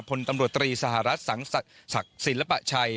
พลตำรวจตรีสหรัฐสังศิลปะชัย